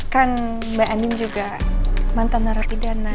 kan mbak anin juga mantan narapidana